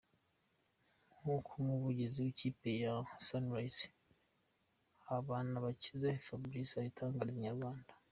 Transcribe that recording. Nk’ uko umuvugizi w’ ikipe ya Sunrise Habanabakize Fabrice abitangariza Inyarwanda.